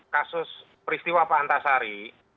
kasus peristiwa pak antarsari